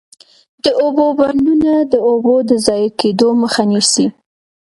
د اوبو بندونه د اوبو د ضایع کیدو مخه نیسي.